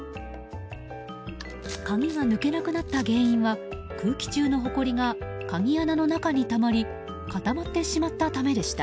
鍵が抜けなくなった原因は空気中のほこりが鍵穴の中にたまり固まってしまったためでした。